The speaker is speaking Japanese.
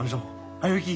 早行き。